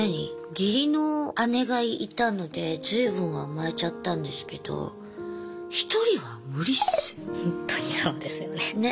義理の姉がいたので随分甘えちゃったんですけどほんとにそうですよね。ね。